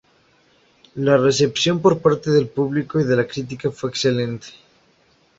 La recepción por parte del público y de la crítica fue excelente.